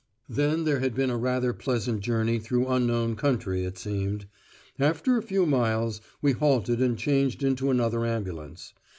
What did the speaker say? Then there had been a rather pleasant journey through unknown country, it seemed. After a few miles, we halted and changed into another ambulance.